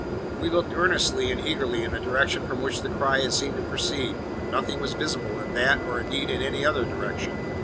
We looked earnestly and eagerly in the direction from which the cry had seemed to proceed, but nothing was visible in that or, indeed, in any other direction.